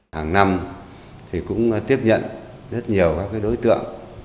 hàng năm thì cũng tiếp nhận rất nhiều các đối tượng